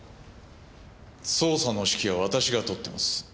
捜査の指揮は私が執ってます。